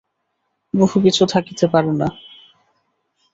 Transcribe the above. বহু কিছু থাকিতে পারে না।